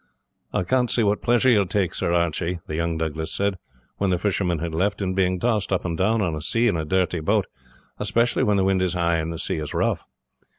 "I can't see what pleasure you take, Sir Archie," the young Douglas said, when the fisherman had left, "in being tossed up and down on the sea in a dirty boat, especially when the wind is high and the sea rough."